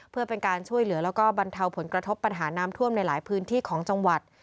ผลกระทบปัญหาน้ำท่วมในหลายพื้นที่ของจังหวัด